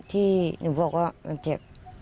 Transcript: ที่หนูบอกว่ามันเจ็บ